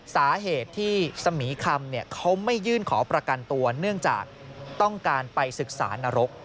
สาเหตุที่สมีคำเขาไม่ยื่นขอประกันตัวเนื่องจากต้องการไปศึกษานรก